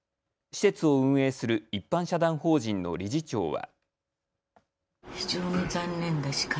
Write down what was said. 施設を運営する一般社団法人の理事長は。